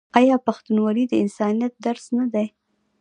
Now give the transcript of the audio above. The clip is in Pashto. آیا پښتونولي د انسانیت درس نه دی؟